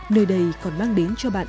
nơi đây còn mang đến cho bạn